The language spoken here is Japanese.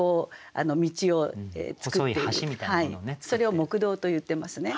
それを木道といってますね。